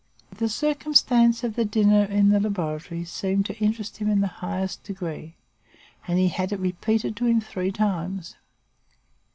The circumstance of the dinner in the laboratory seemed to interest him in the highest degree; and he had it repeated to him three times.